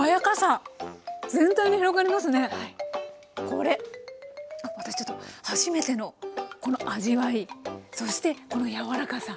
これ私ちょっと初めてのこの味わいそしてこの柔らかさ！